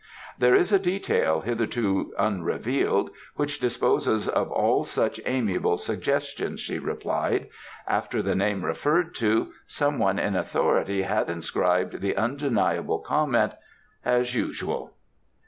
"There is a detail, hitherto unrevealed, which disposes of all such amiable suggestions," she replied. "After the name referred to, someone in authority had inscribed the undeniable comment 'As usual.